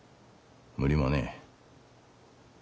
無理もねえ。